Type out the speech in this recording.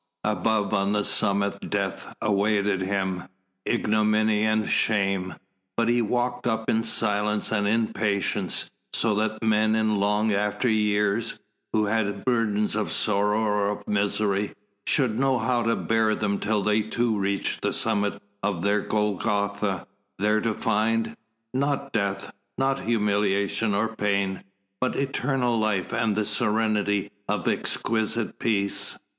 Above on the summit death awaited Him, ignominy and shame, but He walked up in silence and in patience, so that men in long after years, who had burdens of sorrow or of misery, should know how to bear them till they too reached the summit of their Golgotha, there to find ... not death, not humiliation or pain, but eternal life and the serenity of exquisite peace.